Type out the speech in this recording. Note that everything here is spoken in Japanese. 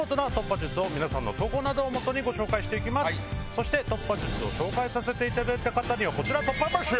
そして突破術を紹介させていただいた方には。